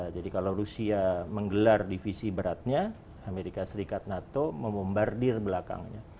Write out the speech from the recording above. jadi kalau rusia menggelar divisi beratnya amerika serikat nato membardir belakangnya